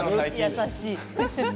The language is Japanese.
優しい。